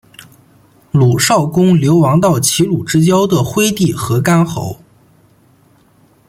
鲁昭公流亡到齐鲁之交的郓地和干侯。